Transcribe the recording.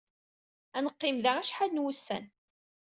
Ad neqqim da acḥal n wussan.